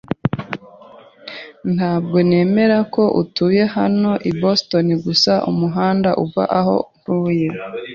Ntabwo nemera ko utuye hano i Boston gusa umuhanda uva aho ntuye.